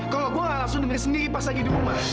kalau gue langsung denger sendiri pas lagi di rumah